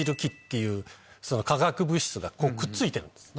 化学物質がくっついてるんです。